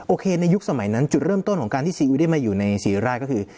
ในยุคสมัยนั้นจุดเริ่มต้นของการที่ซีอุ๊ได้มาอยู่ในศรีราชก็คือ